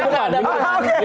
hari ini harus diomongin